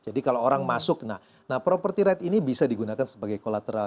jadi kalau orang masuk nah property rights ini bisa digunakan sebagai kolateral